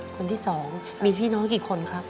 คนที่๒มีพี่น้องกี่คนครับ